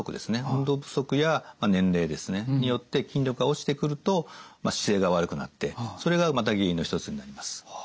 運動不足や年齢ですねによって筋力が落ちてくると姿勢が悪くなってそれがまた原因の一つになります。